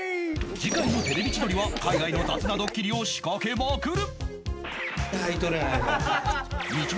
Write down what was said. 次回の『テレビ千鳥』は海外の雑なドッキリを仕掛けまくる！